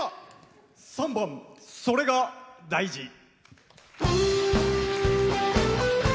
３番「それが大事」。